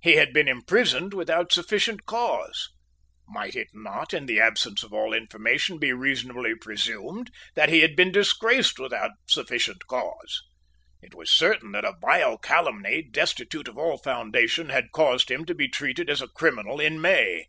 He had been imprisoned without sufficient cause. Might it not, in the absence of all information, be reasonably presumed that he had been disgraced without sufficient cause? It was certain that a vile calumny, destitute of all foundation, had caused him to be treated as a criminal in May.